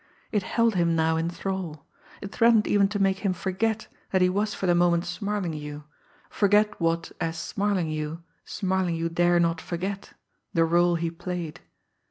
It held him now in thrall. It threatened even to make him forget that he was for the moment Smarlinghue forget what, as Smarlinghue, Smarlinghue dare not forget the role he played.